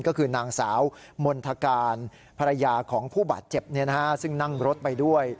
ก็คือนางสาวมณฑการภรรยาของผู้บาดเจ็บซึ่งนั่งรถไปด้วย